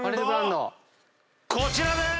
こちらです！